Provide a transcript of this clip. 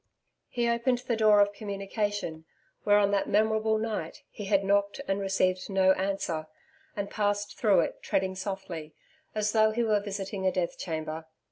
He opened the door of communication where on that memorable night, he had knocked and received no answer and passed through it treading softly as though he were visiting a death chamber.